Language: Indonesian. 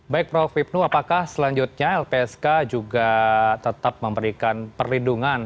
baik prof hipnu apakah selanjutnya lpsk juga tetap memberikan perlindungan